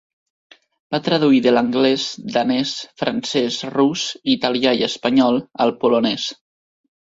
Va traduir de l'anglès, danès, francès, rus, italià i espanyol al polonès.